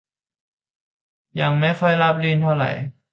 ยังไม่ค่อยราบรื่นเท่าไหร่